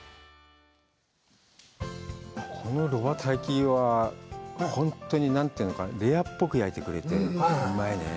この炉端焼きは本当に何というのか、レアっぽく焼いてくれて、うまいねぇ。